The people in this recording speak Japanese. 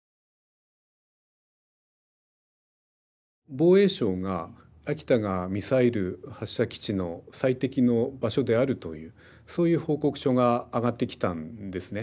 防衛省が秋田がミサイル発射基地の最適の場所であるというそういう報告書があがってきたんですね。